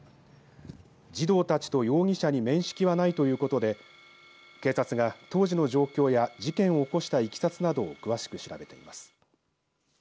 児童たちと容疑者に面識はないということで警察が、当時の状況や事件を起こしたいきさつなどを詳しく調べています。